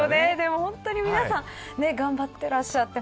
本当に皆さん頑張ってらっしゃって。